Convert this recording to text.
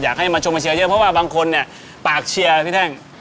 อยากให้มาชมมาเชียร์เยอะเพราะว่าบางคนเนี่ยปากเชียร์พี่แท่ง